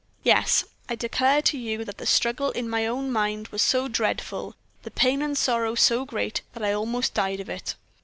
"Yes, I declare to you that the struggle in my own mind was so dreadful, the pain and sorrow so great, that I almost died of it.